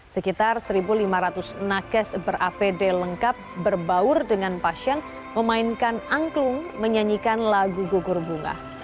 sekitar satu lima ratus nakes ber apd lengkap berbaur dengan pasien memainkan angklung menyanyikan lagu gugur bunga